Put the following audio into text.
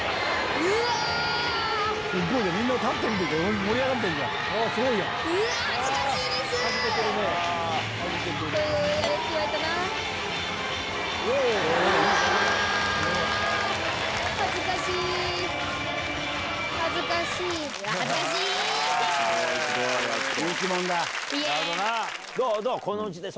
うわー、恥ずかしいです。